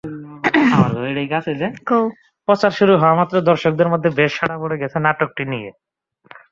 প্রচার শুরু হওয়ামাত্র দর্শকদের মধ্যে বেশ সাড়া পড়ে গেছে নাটকটি নিয়ে।